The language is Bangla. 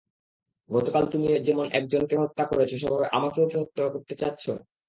গতকাল তুমি যেমন একজনকে হত্যা করেছ সেভাবে আমাকেও কি হত্যা করতে চাচ্ছ!